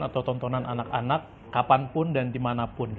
atau tontonan anak anak kapanpun dan dimanapun